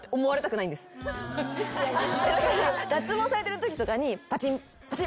脱毛されてるときとかにパチンパチン。